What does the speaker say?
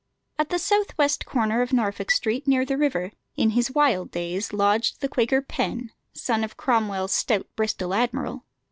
At the south west corner of Norfolk Street, near the river, in his wild days lodged the Quaker Penn, son of Cromwell's stout Bristol admiral.